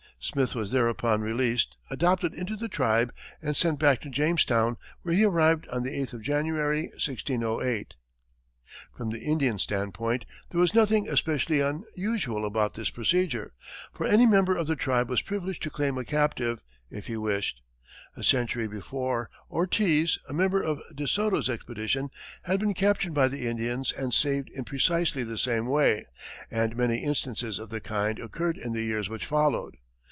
Smith was thereupon released, adopted into the tribe, and sent back to Jamestown, where he arrived on the eighth of January, 1608. From the Indian standpoint, there was nothing especially unusual about this procedure, for any member of the tribe was privileged to claim a captive, if he wished. A century before, Ortiz, a member of De Soto's expedition, had been captured by the Indians and saved in precisely the same way, and many instances of the kind occurred in the years which followed.